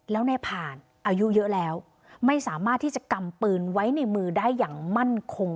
แล้วในผ่านอายุเยอะแล้วไม่สามารถที่จะกำปืนไว้ในมือได้อย่างมั่นคง